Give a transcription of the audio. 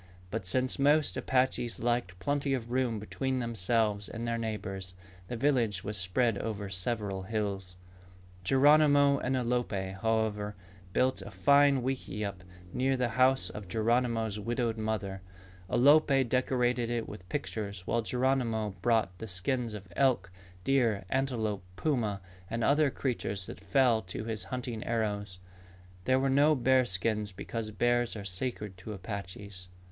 But since most Apaches liked plenty of room between themselves and their neighbors, the village was spread over several hills. Geronimo and Alope, however, built a fine wickiup very near the house of Geronimo's widowed mother. Alope decorated it with pictures while Geronimo brought the skins of elk, deer, antelope, puma, and other creatures that fell to his hunting arrows. There were no bear skins because bears are sacred to Apaches.